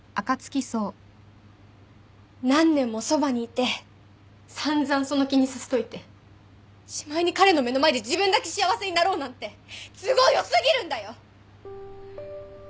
何年もそばにいて散々その気にさせといてしまいに彼の目の前で自分だけ幸せになろうなんて都合良過ぎるんだよ！